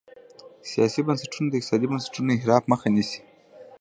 سیاسي بنسټونه د اقتصادي بنسټونو انحراف مخه نیسي.